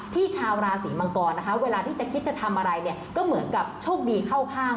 ชาวราศีมังกรนะคะเวลาที่จะคิดจะทำอะไรเนี่ยก็เหมือนกับโชคดีเข้าข้าง